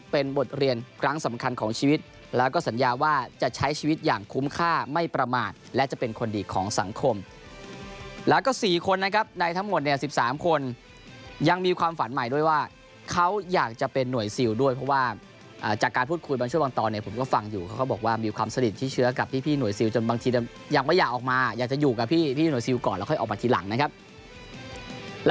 เป็นบทเรียนครั้งสำคัญของชีวิตแล้วก็สัญญาว่าจะใช้ชีวิตอย่างคุ้มค่าไม่ประมาทและจะเป็นคนดีของสังคมแล้วก็สี่คนนะครับในทั้งหมดเนี้ยสิบสามคนยังมีความฝันใหม่ด้วยว่าเขาอยากจะเป็นหน่วยซิลด้วยเพราะว่าอ่าจากการพูดคุยบางช่วงบางตอนเนี้ยผมก็ฟังอยู่เขาบอกว่ามีความสนิทที่เชื้อกับพี่พี่หน่วยซิล